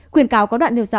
khuyến cáo có đoạn điều rõ